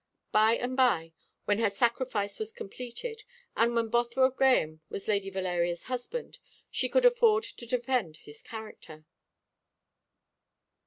By and by, when her sacrifice was completed, and when Bothwell Grahame was Lady Valeria's husband, she could afford to defend his character.